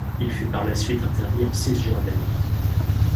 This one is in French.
Il fut par la suite interdit en Cisjordanie.